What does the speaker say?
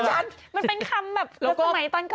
มันเป็นเองคยสมัยต้อนก่อน